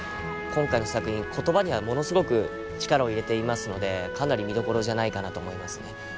今回の作品言葉にはものすごく力を入れていますのでかなり見どころじゃないかなと思いますね。